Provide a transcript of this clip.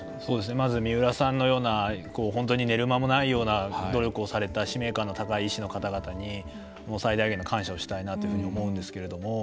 まず三浦さんのような本当に寝る間もないような努力をされた使命感の高い医師の方々に最大限の感謝をしたいなというふうに思うんですけど。